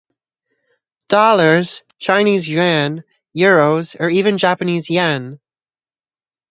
Dollars, Chinese Yuan, Euros, or even Japanese Yen.